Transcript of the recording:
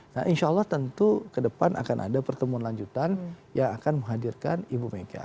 nah insya allah tentu ke depan akan ada pertemuan lanjutan yang akan menghadirkan ibu mega